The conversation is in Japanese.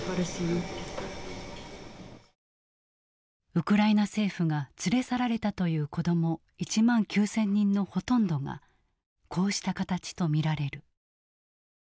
ウクライナ政府が連れ去られたという子ども１万９，０００人のほとんどがこうした形と見られる。